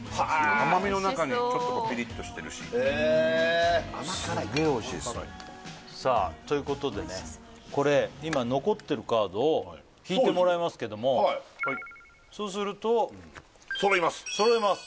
甘みの中にちょっとこうピリッとしてるし・へえすげえおいしいですさあということでねこれ今残ってるカードを引いてもらいますけどもはいそうすると揃います揃います